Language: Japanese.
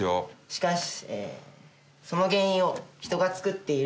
しかし。